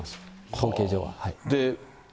統計上は。